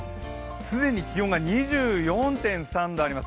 既に気温が２４．３度あります。